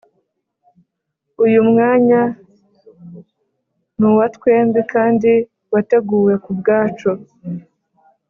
uyu mwanya nuwatwembi kandi wateguwe kubwacu,